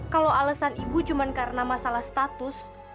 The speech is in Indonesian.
kalau alasan ibu cuma karena masalah status